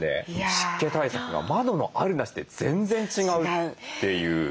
湿気対策が窓のあるなしで全然違うという。